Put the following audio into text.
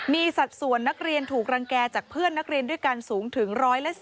มีสัดส่วนนักเรียนถูกรังแก่จากเพื่อนนักเรียนด้วยกันสูงถึง๑๑๐